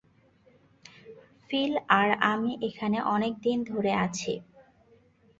Feel আর আমি এখানে অনেক দিন ধরে আছি.